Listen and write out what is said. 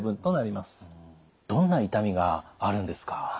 どんな痛みがあるんですか？